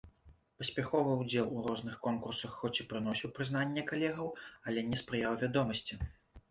Паспяховы ўдзел у розных конкурсах хоць і прыносіў прызнанне калегаў, але не спрыяў вядомасці.